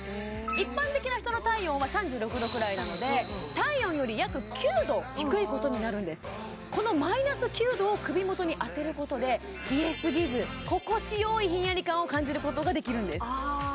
一般的な人の体温は３６度くらいなので体温より約９度低いことになるんですこのマイナス９度を首元に当てることで冷えすぎず心地よいひんやり感を感じることができるんです